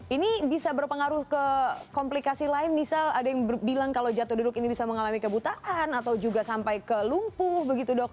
ini bisa berpengaruh ke komplikasi lain misal ada yang bilang kalau jatuh duduk ini bisa mengalami kebutaan atau juga sampai ke lumpuh begitu dok